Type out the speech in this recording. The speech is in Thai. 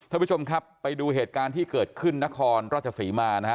ท่านผู้ชมครับไปดูเหตุการณ์ที่เกิดขึ้นนครราชศรีมานะฮะ